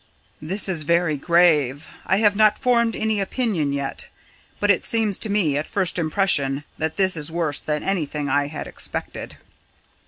"This is very grave. I have not formed any opinion yet; but it seems to me at first impression that this is worse than anything I had expected."